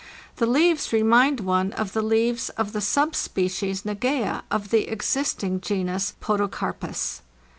The leaves remind one of the leaves of the subspecies xageza of the existing genus Podocarpus.